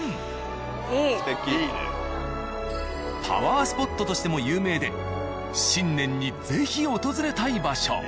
パワースポットとしても有名で新年に是非訪れたい場所。